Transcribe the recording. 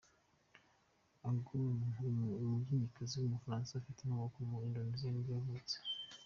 Anggun, umuririmbyikazi w’umufaransa ufite inkomoko muri Indonesia, nibwo yavutse.